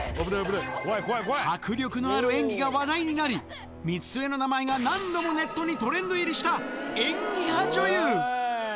迫力のある演技が話題になり、みつえの名前が何度もネットにトレンド入りした演技派女優。